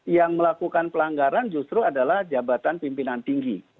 yang melakukan pelanggaran justru adalah jabatan pimpinan tinggi